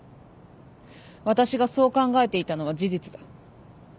私がそう考えていたのは事実だ。